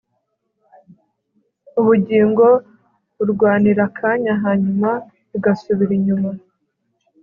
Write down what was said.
ubugingo burwanira akanya, hanyuma bugasubira inyuma